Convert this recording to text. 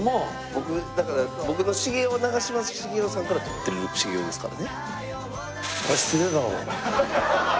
僕だから僕の茂雄は長嶋茂雄さんからとってる茂雄ですからね。